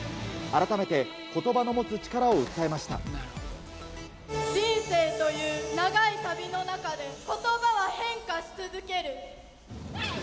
改めてことばの持つ力を訴えまし人生という長い旅の中でことばは変化し続ける。